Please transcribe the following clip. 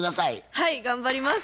はい頑張ります。